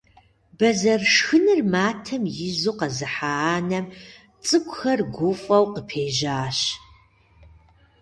Бэзэр шхыныр матэм изу къэзыхьа анэм цӀыкӀухэр гуфӀэу къыпежьащ.